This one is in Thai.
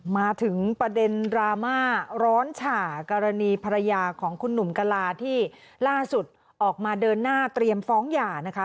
มาถึงประเด็นดราม่าร้อนฉ่ากรณีภรรยาของคุณหนุ่มกลาที่ล่าสุดออกมาเดินหน้าเตรียมฟ้องหย่านะคะ